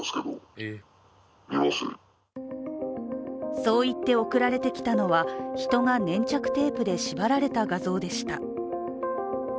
そう言って送られてきたのは人が粘着テープで縛られた画像でした。